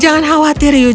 jangan khawatir eugene